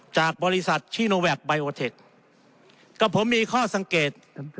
จากบริษัทชิโนแวคไบโอเทคกับผมมีข้อสังเกต